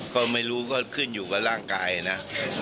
ก็ไม่รู้ก็ขึ้นอยู่กับร่างกายนะ